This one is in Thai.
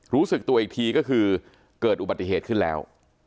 รู้สึกตัวอีกทีก็คือเกิดอุบัติเหตุขึ้นแล้ว